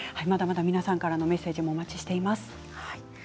皆さんからのメッセージをお待ちしています。